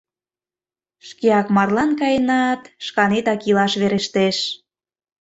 Шкеак марлан каенат, шканетак илаш верештеш...